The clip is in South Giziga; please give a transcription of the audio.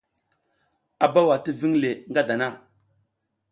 A bawa ti jiƞ le ngadana.